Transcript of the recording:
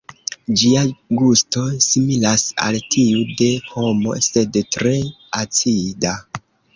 Ĝia gusto similas al tiu de pomo, sed tre acida.